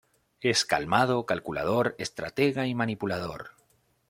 Es calmado, calculador, estratega y manipulador.